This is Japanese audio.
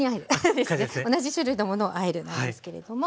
同じ種類のものをあえるなんですけれども。